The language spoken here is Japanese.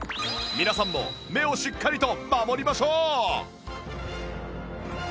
皆さんも目をしっかりと守りましょう！